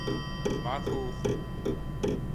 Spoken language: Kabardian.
Махуэ ухъу!